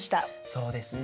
そうですね。